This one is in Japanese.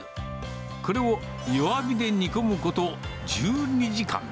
これを弱火で煮込むこと１２時間。